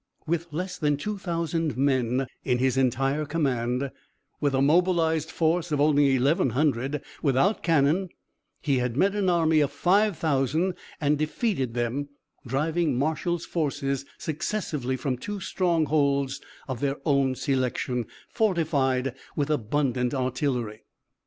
With less than two thousand men in his entire command, with a mobilized force of only eleven hundred, without cannon, he had met an army of five thousand and defeated them, driving Marshall's forces successively from two strongholds of their own selection, fortified with abundant artillery.